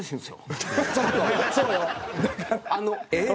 あの「えっ？」